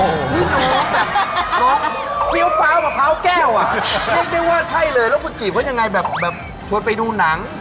น้องฟิ้วฟ้าวปะพร้าวแก้วอ่ะไม่ได้ว่าใช่เลยแล้วคุณจีบว่ายังไงแบบชวนไปดูหนังชวนไปกินข้าว